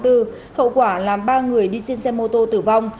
hậu quả làm ba người đi trên xe mô tô tử vong